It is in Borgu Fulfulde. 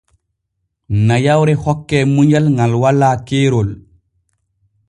Nayawre hokke munyal ŋal walaa keerol.